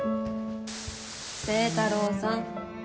星太郎さん。